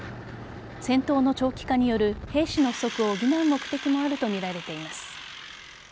先頭の長期化による兵士の不足を補う目的もあるとみられています。